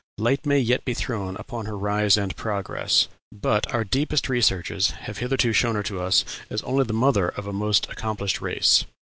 Light may yet be thrown upon her rise and progress, but our deepest researches have hitherto shown her to us as only the mother of a most accomplished race.